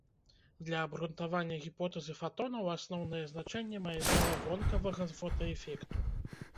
Для абгрунтавання гіпотэзы фатонаў асноўнае значэнне мае з'ява вонкавага фотаэфекту.